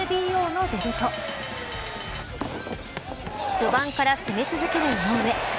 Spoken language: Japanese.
序盤から攻め続ける井上。